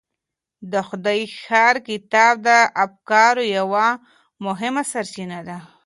د خدای ښار کتاب د افکارو یوه مهمه سرچینه ده.